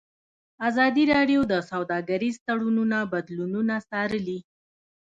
ازادي راډیو د سوداګریز تړونونه بدلونونه څارلي.